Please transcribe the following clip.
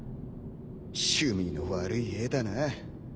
趣味の悪い絵だな。